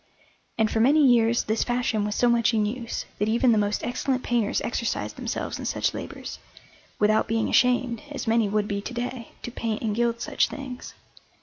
And for many years this fashion was so much in use that even the most excellent painters exercised themselves in such labours, without being ashamed, as many would be to day, to paint and gild such things.